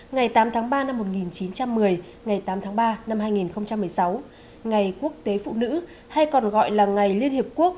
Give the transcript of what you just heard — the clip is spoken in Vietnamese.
ngày tám tháng ba năm một nghìn chín trăm một mươi ngày tám tháng ba năm hai nghìn một mươi sáu ngày quốc tế phụ nữ hay còn gọi là ngày liên hiệp quốc